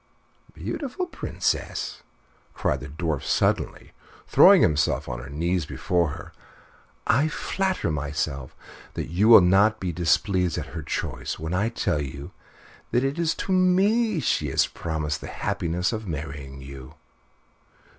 "Beautiful Princess," cried the Dwarf suddenly, throwing himself on his knees before her, "I flatter myself that you will not be displeased at her choice when I tell you that it is to me she has promised the happiness of marrying you."